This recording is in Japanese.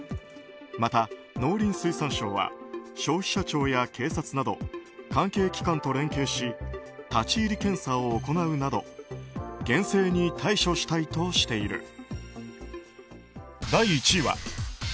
また、農林水産省は消費者庁や警察など関係機関と連携し立ち入り検査を行うなど厳正に対処したいとしている。